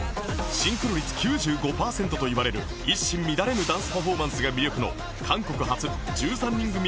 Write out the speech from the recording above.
シンクロ率９５パーセントといわれる一糸乱れぬダンスパフォーマンスが魅力の韓国発１３人組アーティスト